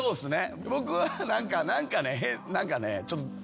僕は何か何かね。